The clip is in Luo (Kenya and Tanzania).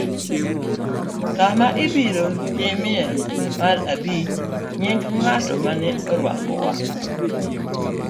Kama ibiro timee mar abich. Nying ' ng'at ma ne orwakowa